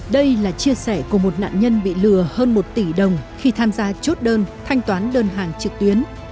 đây là chia sẻ của một nạn nhân bị lừa hơn một tỷ đồng khi tham gia chốt đơn thanh toán đơn hàng trực tuyến